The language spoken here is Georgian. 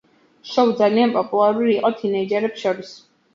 შოუ ძალიან პოპულარული იყო თინეიჯერებს შორის.